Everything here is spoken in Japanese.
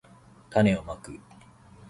たねをまく